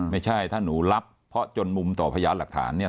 ไม่ใช่ถ้าหนูรับเพราะจนมุมต่อพยานหลักฐานเนี่ย